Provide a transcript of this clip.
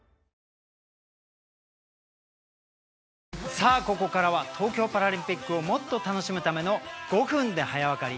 さあここからは東京パラリンピックをもっと楽しむための「５分で早わかり」